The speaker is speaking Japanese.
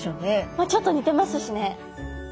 まあちょっと似てますしね。